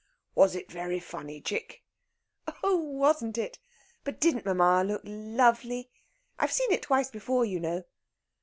"Was it very funny, chick?" "Oh, wasn't it! But didn't mamma look lovely?... I've seen it twice before, you know."